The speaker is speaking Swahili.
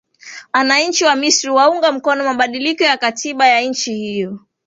ananchi wa misri waunga mkono mabadiliko ya katiba ya nchi hiyo